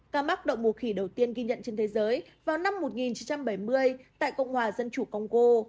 ca mắc động mùa khỉ đầu tiên ghi nhận trên thế giới vào năm một nghìn chín trăm bảy mươi tại cộng hòa dân chủ công cô